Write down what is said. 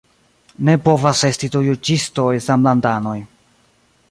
Ne povas esti du juĝistoj samlandanoj.